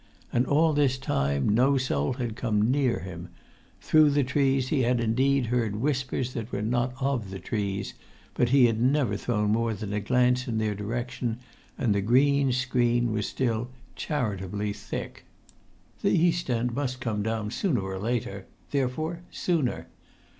And all this time no soul had come near him; through the trees he had indeed heard whispers that were not of the trees, but he had never thrown more than a glance in their direction, and the green screen was still charitably thick. The east end must come down sooner or later—therefore sooner.